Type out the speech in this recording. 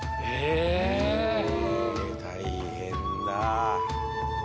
え大変だ。